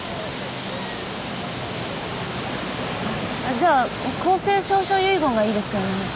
じゃあ公正証書遺言がいいですよね。